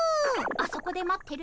あそこで待ってる！